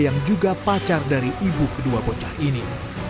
yang juga pacar dari ibu kedua bocah ini